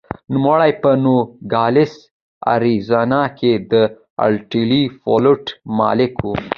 نوموړی په نوګالس اریزونا کې د ارټلي فلوټ مالک و.